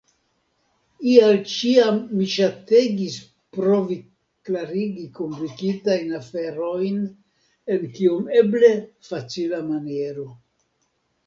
Ial ĉiam mi ŝategis provi klarigi komplikitajn aferojn en kiom eble facila maniero.